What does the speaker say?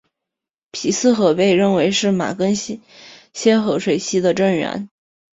皮斯河被认为是马更些河水系的正源。